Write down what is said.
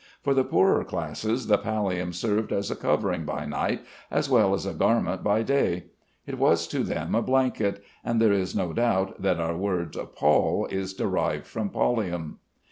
For the poorer classes the pallium served as a covering by night as well as a garment by day. It was to them a blanket; and there is no doubt that our word "pall" is derived from pallium.